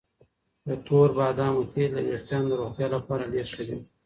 د تور بادامو تېل د ویښتانو د روغتیا لپاره ډېر ښه دي.